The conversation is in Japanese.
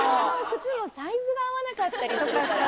靴もサイズが合わなかったりするから。